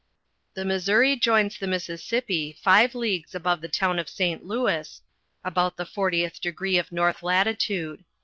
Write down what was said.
The Missouri joins the Mississippi five leagues above th town of St. Louis, about the 4Cth degree of north latitude.